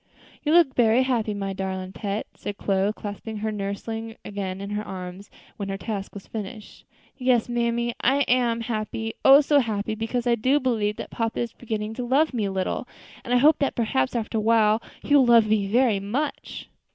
"You look berry happy, my darlin' pet," said Chloe, clasping her nursling again in her arms when her task was finished. "Yes, mammy, I am happy, oh! so happy, because I do believe that papa is beginning to love me a little, and I hope that perhaps, after a while, he will love me very much."